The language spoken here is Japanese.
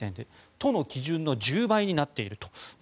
都の基準の１０倍になっていると。